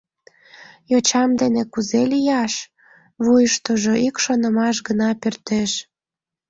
Йочам дене кузе лияш?» — вуйыштыжо ик шонымаш гына пӧрдеш.